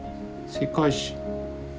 世界史３。